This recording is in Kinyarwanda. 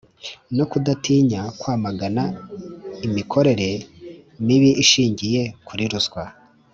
no kudatinya kwamagana imikorere mibi ishingiye kuri ruswa